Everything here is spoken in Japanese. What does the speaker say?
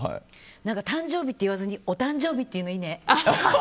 誕生日って言わずにお誕生日って言うのいいね。